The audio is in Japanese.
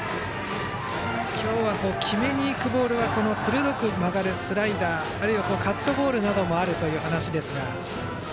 今日は決めに行くボールが鋭く曲がるスライダーあるいはカットボールなどもあるという話ですが。